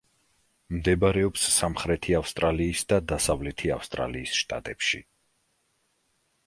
მდებარეობს სამხრეთი ავსტრალიის და დასავლეთი ავსტრალიის შტატებში.